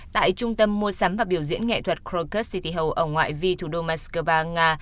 tại trung tâm mua sắm và biểu diễn nghệ thuật krocus city hal ở ngoại vi thủ đô moscow nga